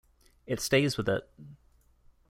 It stays with it.